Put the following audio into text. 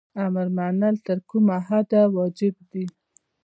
امر منل تر کومه حده واجب دي؟